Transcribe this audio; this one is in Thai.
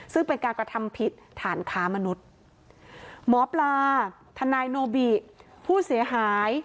ซึ่งเป็นการกระทำผิดฐานค้ามนุษย์หมอปลาทนายโนบิผู้เสียหาย